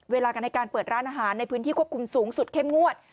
เวลากันในการเปิดร้านอาหารในพื้นที่ควบคุมสูงสุดเข้มงวด